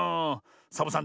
サボさん